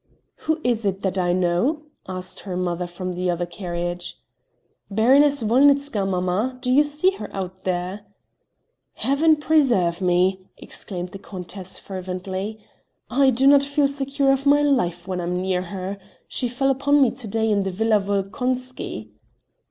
"Who is it that I know?" asked her mother from the other carriage. "Baroness Wolnitzka, mamma; do you see her out there?" "Heaven preserve me!" exclaimed the countess fervently. "I do not feel secure of my life when I am near her. She fell upon me to day in the Villa Wolkonsky."